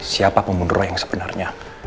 siapa pembunuh yang sebenarnya